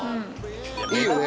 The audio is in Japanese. いいよね？